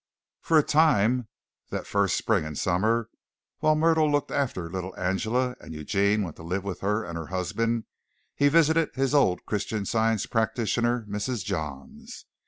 For a time that first spring and summer, while Myrtle looked after little Angela and Eugene went to live with her and her husband, he visited his old Christian Science practitioner, Mrs. Johns.